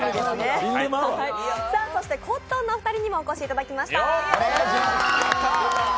そしてコットンのお二人にもお越しいただきました。